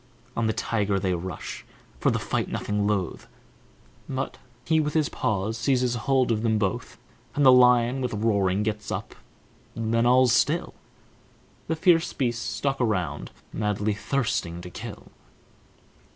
On the tiger they rush, for the fight nothing loth, But he with his paws seizes hold of them both And the lion, with roaring, gets up, then all's still, The fierce beasts stalk around, madly thirsting to kill.